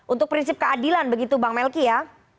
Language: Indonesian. untuk prinsip keadilan begitu bang melki ya